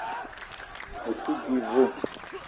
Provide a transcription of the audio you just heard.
O te di ve?